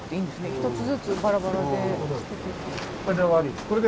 一つずつバラバラで。